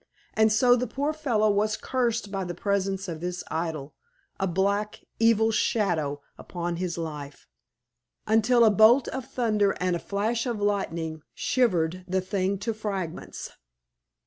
And so the poor fellow was cursed by the presence of this idol a black, evil shadow upon his life until a bolt of thunder and a flash of lightning shivered the thing to fragments.